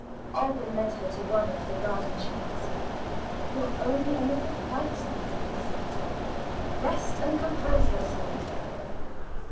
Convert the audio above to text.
Alban led her to one of the garden chairs. "You're only a little frightened," he said. "Rest, and compose yourself."